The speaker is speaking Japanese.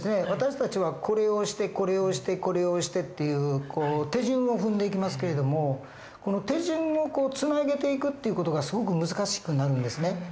私たちはこれをしてこれをしてこれをしてっていう手順を踏んでいきますけれどもこの手順をつなげていくっていう事がすごく難しくなるんですね。